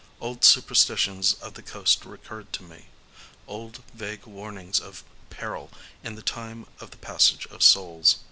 Old superstitions of the coast recurred to me,—old vague warnings of peril in the time of the passage of Souls.